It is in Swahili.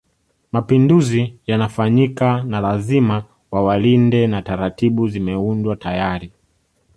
Mapinduzi yanafanyika na lazima wawalinde na taratibu zimeundwa tayari